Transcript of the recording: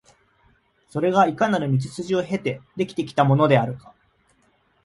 それがいかなる道筋を経て出来てきたものであるか、